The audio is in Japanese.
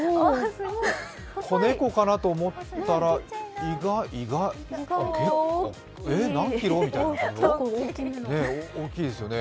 子猫かなと思ったら意外、結構、え、何キロ？って、大きいですよね。